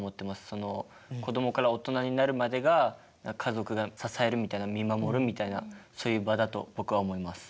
その子どもから大人になるまでが家族が支えるみたいな見守るみたいなそういう場だと僕は思います。